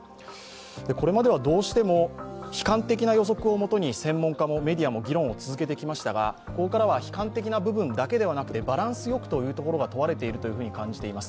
これまではどうしても悲観的な予測をもとに専門家もメディアも議論を続けてきましたがここからは悲観的な部分だけではなくバランスよくというところが問われていると感じています。